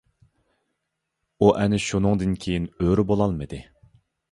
ئۇ ئەنە شۇنىڭدىن كېيىن ئۆرە بولالمىدى.